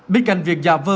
bên cạnh việc giả vờ